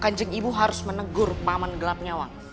kanjeng ibu harus menegur paman gelap nyawang